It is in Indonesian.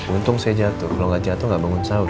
untung saya jatuh kalau gak jatuh gak bangun sahur